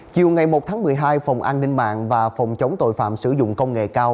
chiều ngày một tháng một mươi hai phòng an ninh mạng và phòng chống tội phạm sử dụng công nghệ cao